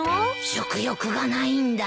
食欲がないんだ。